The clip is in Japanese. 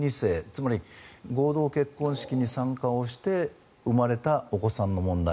つまり合同結婚式に参加をして生まれたお子さんの問題。